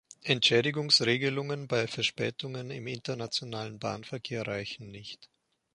Entschädigungsregelungen bei Verspätungen im internationalen Bahnverkehr reichen nicht.